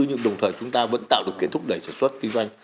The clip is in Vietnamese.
nhưng đồng thời chúng ta vẫn tạo được kiện thúc đẩy sản xuất kinh doanh